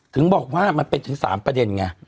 ถึงบอกว่ามันเป็นถึง๓ประเด็นไง